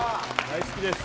’ｚ大好きです